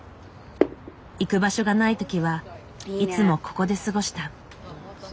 行く場所がない時はいつもここで過ごした。